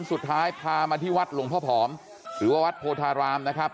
สุดท้ายพามาที่วัดหลวงพ่อผอมหรือว่าวัดโพธารามนะครับ